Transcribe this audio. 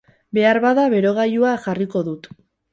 Beharbada, berogailua jarriko dut